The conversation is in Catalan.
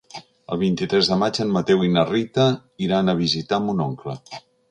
El vint-i-tres de maig en Mateu i na Rita iran a visitar mon oncle.